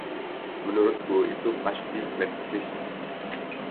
Menurutku itu pasti flatfish.